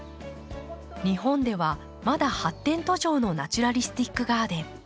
日本ではまだ発展途上のナチュラリスティックガーデン。